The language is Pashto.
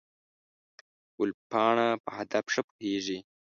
ګلپاڼه په هدف ښه پوهېږي.